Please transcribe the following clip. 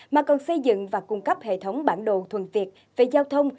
mà còn xây dựng và cung cấp hệ thống bản đồ thuần việt về giao thông